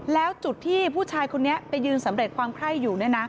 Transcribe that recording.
แล้วจุดที่ผู้ชายคนนี้ไปยืนสำเร็จความไข้อยู่